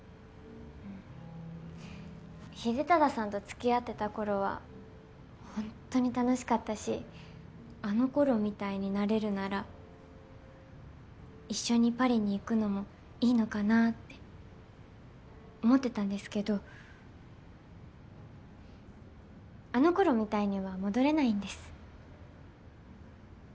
秀忠さんと付き合ってた頃はほんとに楽しかったしあの頃みたいになれるなら一緒にパリに行くのもいいのかなって思ってたんですけどあの頃みたいには戻れないんです。